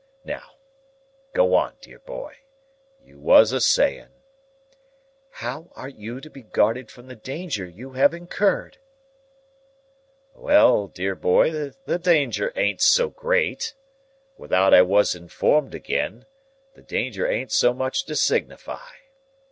Now, go on, dear boy. You was a saying—" "How are you to be guarded from the danger you have incurred?" "Well, dear boy, the danger ain't so great. Without I was informed agen, the danger ain't so much to signify.